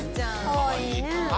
かわいいね。